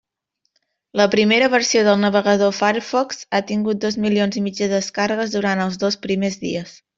La primera versió del navegador Firefox ha tingut dos milions i mig de descàrregues durant els dos primers dies.